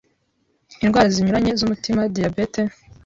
indwara zinyuranye z’umutima, diyabete